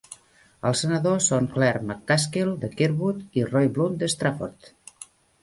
Els senadors són Claire McCaskill, de Kirkwood , i Roy Blunt, de Strafford.